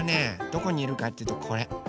どこにいるかっていうとこれ。